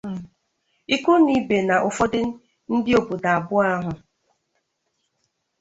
ikwu na ibè na ụfọdụ ndị òbòdò abụọ ahụ.